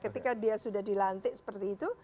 ketika dia sudah dilantik seperti itu